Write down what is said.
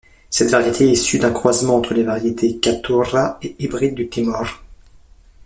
Cette variété est issue d'un croisement entre les variétés Caturra et l'Hybride du Timor.